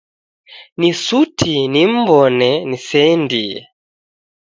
Ni suti nim'mbone niseendie.